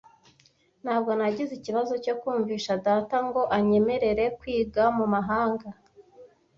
Ntabwo nagize ikibazo cyo kumvisha data ngo anyemerere kwiga mu mahanga.